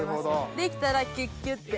できたらキュッキュッて。